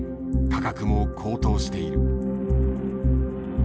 価格も高騰している。